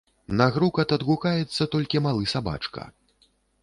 На грукат адгукаецца толькі малы сабачка.